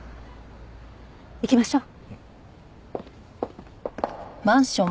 行きましょう。